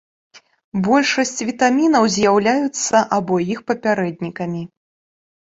Большасць вітамінаў з'яўляюцца або іх папярэднікамі.